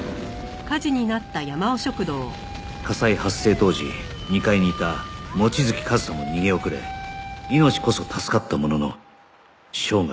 火災発生当時２階にいた望月和沙も逃げ遅れ命こそ助かったものの生涯